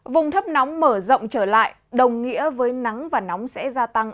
vùng thấp nóng mở rộng trở lại đồng nghĩa với nắng và nóng sẽ gia tăng